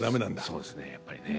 そうですねやっぱりね。